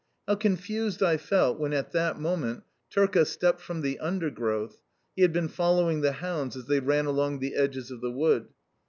How confused I felt when at that moment Turka stepped from the undergrowth (he had been following the hounds as they ran along the edges of the wood)!